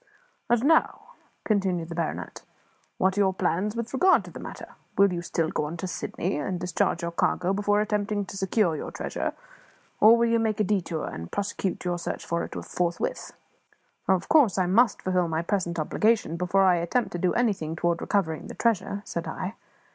"And now," continued the baronet, "what are your plans with regard to the matter? Will you still go on to Sydney, and discharge your cargo before attempting to secure your treasure, or will you make a detour, and prosecute your search for it forthwith?" "Oh, of course I must fulfil my present obligations before I attempt to do anything toward recovering the treasure," said I.